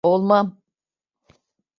Olmam.